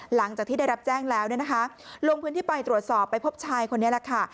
หลังจากที่ได้รับแจ้งแล้วเนี่ยนะคะลงพื้นที่ไปตรวจสอบไปพบชายคนนี้แหละค่ะ